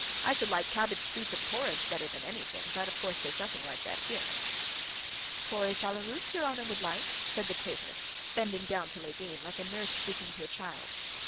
I should like cabbage soup and porridge better than anything; but of course there's nothing like that here." "Porridge à la Russe, your honor would like?" said the Tatar, bending down to Levin, like a nurse speaking to a child.